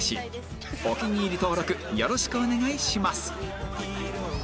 お気に入り登録よろしくお願いします